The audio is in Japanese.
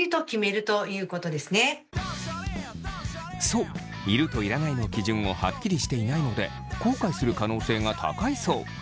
そういるといらないの基準をはっきりしていないので後悔する可能性が高いそう。